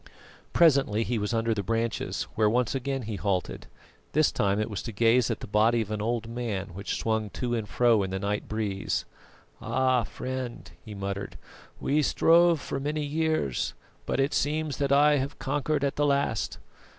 Presently he was under the branches, where once again he halted; this time it was to gaze at the body of an old man which swung to and fro in the night breeze. "Ah! friend," he muttered, "we strove for many years, but it seems that I have conquered at the last.